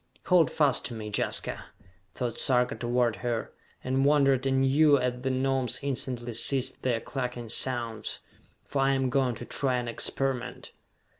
"Hold fast to me, Jaska," thought Sarka toward her and wondered anew as the Gnomes instantly ceased their clucking sounds "for I am going to try an experiment."